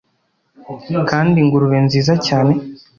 kandi ingurube nziza cyane